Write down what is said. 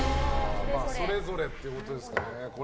それぞれってことですね。